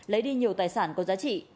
lấy đi nhiều tài sản có giá trị